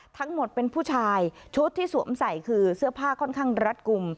ทั้งหมดเป็นผู้ชายชุดที่สวมใส่คือเสื้อผ้าค่อนข้างรัดกลุ่ม